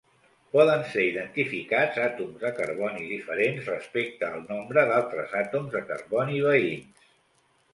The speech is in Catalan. Poden ser identificats àtoms de carboni diferents respecte al nombre d'altres àtoms de carboni veïns.